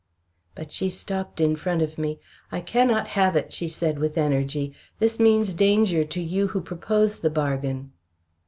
But she stopped in front of me. "I cannot have it," she said, with energy. "This means danger to you who propose the bargain."